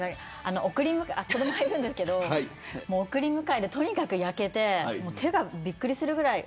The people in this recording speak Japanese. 送り迎えあっ子どもがいるんですけど送り迎えで、とにかく焼けて手が、びっくりするぐらい。